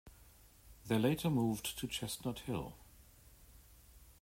They later moved to Chestnut Hill.